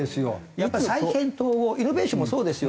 やっぱり再編統合イノベーションもそうですよ。